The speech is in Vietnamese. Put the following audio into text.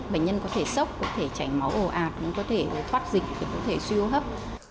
bệnh nhân có thể sốc có thể chảy máu ồ ạt nhưng có thể thoát dịch thì có thể suy hô hấp